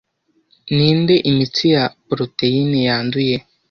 Ninde imitsi ya poroteyine yanduye